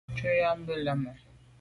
Shutnyàm be leme.